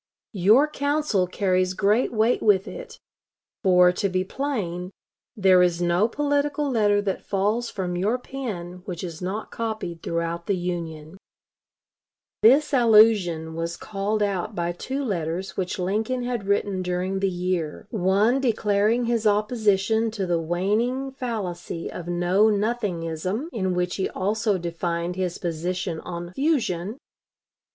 Your counsel carries great weight with it; for, to be plain, there is no political letter that falls from your pen which is not copied throughout the Union." Lincoln to Canisius, May 17, 1859. This allusion was called out by two letters which Lincoln had written during the year; one declaring his opposition to the waning fallacy of know nothingism, in which he also defined his position on "fusion."